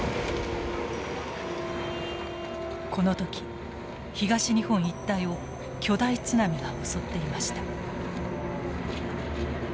この時東日本一帯を巨大津波が襲っていました。